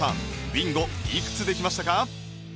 ビンゴいくつできましたか？